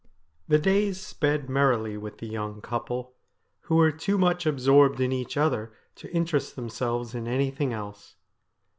The days sped merrily with the young couple, who were too much absorbed in each other to interest themselves in anything else.